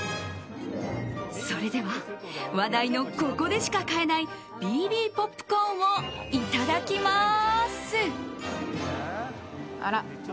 それでは、話題のここでしか買えないＢＢポップコーンをいただきます。